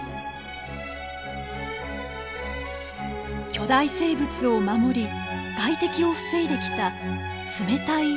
巨大生物を守り外敵を防いできた冷たい海のバリア。